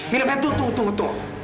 mila fadil tunggu tunggu tunggu